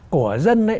của dân ấy